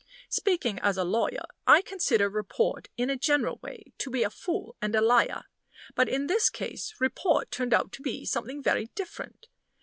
Speaking as a lawyer, I consider report, in a general way, to be a fool and a liar. But in this case report turned out to be something very different.